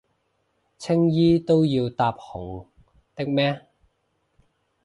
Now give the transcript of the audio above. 青衣都要搭紅的咩？